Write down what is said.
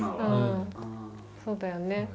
うんそうだよね。